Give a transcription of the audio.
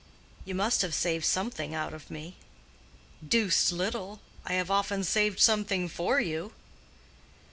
"You must have saved something out of me." "Deuced little. I have often saved something for you."